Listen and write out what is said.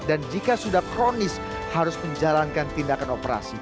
jika sudah kronis harus menjalankan tindakan operasi